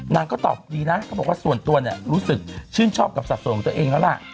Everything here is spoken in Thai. นางก็ตอบดีนะเขาบอกว่าส่วนตัวเนี่ยรู้สึกชื่นชอบกับสัดส่วนของตัวเองแล้วล่ะ